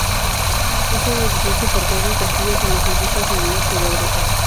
Es uno de los más importante castillos renacentistas en el Norte de Europa.